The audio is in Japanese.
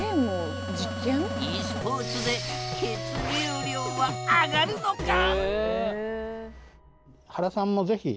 ｅスポーツで血流量は上がるのか？